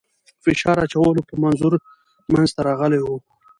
فشار اچولو په منظور منځته راغلی وو.